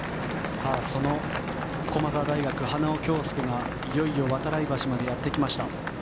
その駒澤大学花尾恭輔がいよいよ度会橋までやってきました。